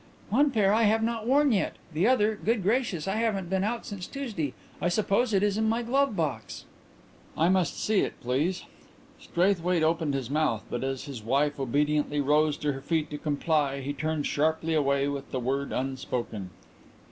"One pair I have not worn yet. The other good gracious, I haven't been out since Tuesday! I suppose it is in my glove box." "I must see it, please." Straithwaite opened his mouth, but as his wife obediently rose to her feet to comply he turned sharply away with the word unspoken.